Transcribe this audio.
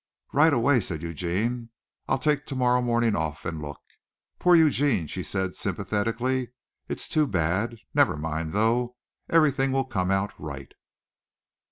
"Right away," said Eugene. "I'll take tomorrow morning off and look." "Poor Eugene," she said sympathetically. "It's too bad. Never mind though. Everything will come out right."